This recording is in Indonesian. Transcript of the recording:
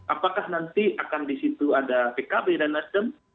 apakah nanti akan di situ ada pkb dan nasdem